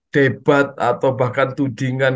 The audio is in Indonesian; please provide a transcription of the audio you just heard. debat atau bahkan tudingan